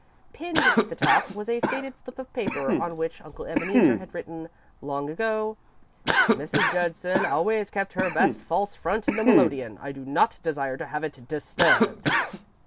Pinned to the top was a faded slip of paper on which Uncle Ebeneezer had written, long ago: "Mrs. Judson always kept her best false front in the melodeon. I do not desire to have it disturbed.